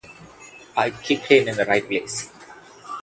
I kicked him in the right place.